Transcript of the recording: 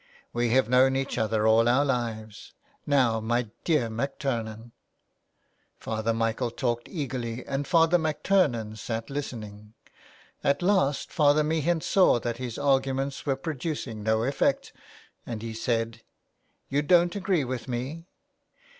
We have known each other all our lives. Now my dear MacTurnan " Father Michael talked eagerly, and Father MacTurnan sat listening. At last Father Meehan saw that his arguments were producing no effect, and he said :—" You don't agree with me.''